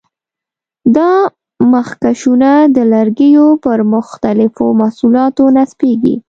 دا مخکشونه د لرګیو پر مختلفو محصولاتو نصبېږي.